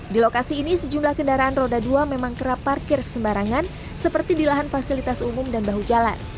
di lokasi ini sejumlah kendaraan roda dua memang kerap parkir sembarangan seperti di lahan fasilitas umum dan bahu jalan